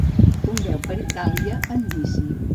Tombeu per Itàlia en bici.